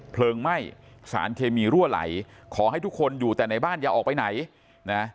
เพลิงไหม้สารเคมีรั่วไหลขอให้ทุกคนอยู่แต่ในบ้านอย่าออกไปไหนนะ